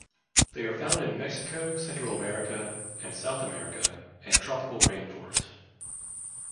They are found in Mexico, Central America and South America and tropical rain forest.